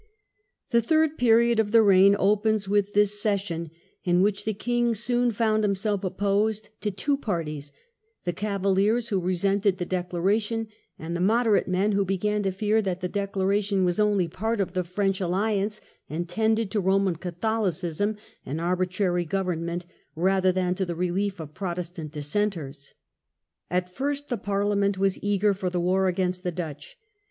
The third period of the reign opens with this session, in which the king soon found himself opposed to two parties: the Cavaliers, who resented the Declaration, and the moderate men, who began to fear that the De claration was only part of the French alliance, and tended to Roman Catholicism and arbitrary government rather than to the relief of Protestant Dissenters. At first the Parliament was eager for the war against the Dutch.